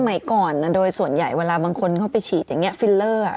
ใหม่ก่อนโดยส่วนใหญ่เวลาบางคนเขาไปฉีดอย่างนี้ฟิลเลอร์